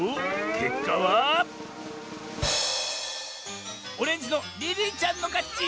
けっかはオレンジのリリーちゃんのかち！